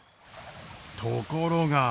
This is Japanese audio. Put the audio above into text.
ところが。